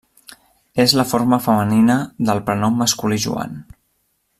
És la forma femenina del prenom masculí Joan.